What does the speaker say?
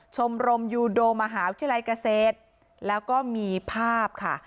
ชมรมยูโดมหาวิทยาลัยเกษตรแล้วก็มีภาพค่ะ